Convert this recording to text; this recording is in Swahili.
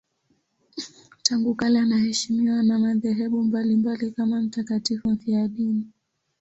Tangu kale anaheshimiwa na madhehebu mbalimbali kama mtakatifu mfiadini.